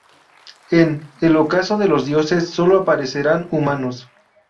En "El ocaso de los dioses", sólo aparecerán humanos.